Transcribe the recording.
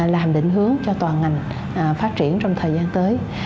là hàm định hướng cho toàn ngành phát triển trong thời gian tới